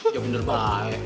ya bener pak